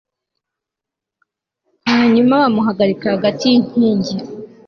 hanyuma bamuhagarika hagati y'inkingi